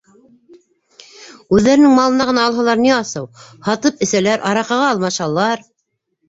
Үҙҙәренең малына ғына алһалар, ни асыу - һатып әсәләр, аоаҡыға алмашалар...